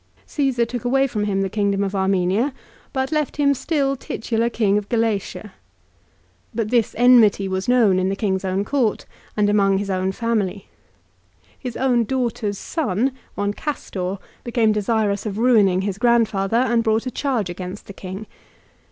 Caesar took away from him the kingdom of Armenia, but left him still titular King of Galatia. But this enmity was known in the king's o 2 196 LIFE OF CICERO, own court, and among his own family. His own daughter's son, one Castor, became desirous of ruining his grandfather, and brought a charge against the king.